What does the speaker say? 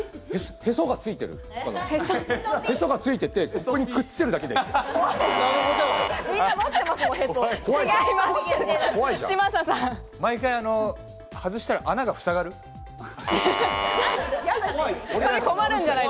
へそがついてて、ここにくっつけるだけでいい。